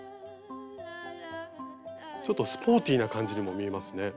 ちょっとスポーティーな感じにも見えますね。